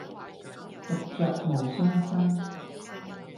獨酌無相親。